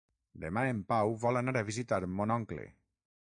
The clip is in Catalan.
Demà en Pau vol anar a visitar mon oncle.